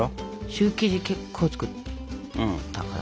シュー生地結構作ったから。